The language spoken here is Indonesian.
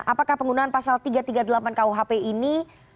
apakah penggunaan pasal tiga ratus tiga puluh delapan kuhp ini